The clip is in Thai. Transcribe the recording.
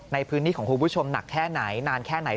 ในพื้นที่ของคุณผู้ชมหนักแค่ไหนนานแค่ไหน